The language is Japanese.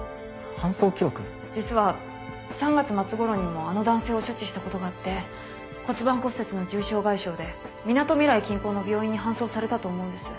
実は３月末ごろにもあの男性を処置したことがあって骨盤骨折の重傷外傷でみなとみらい近郊の病院に搬送されたと思うんです。